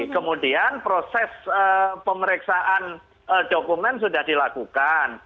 kemudian proses pemeriksaan dokumen sudah dilakukan